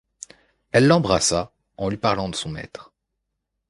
Elle l’embarrassa en lui parlant de son maître